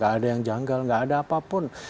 gak ada yang janggal nggak ada apapun